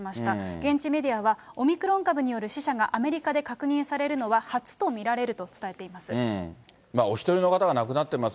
現地メディアはオミクロン株による死者がアメリカで確認されるのお１人の方が亡くなってます。